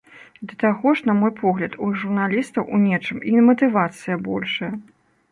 Да таго ж, на мой погляд, у журналістаў у нечым і матывацыя большая.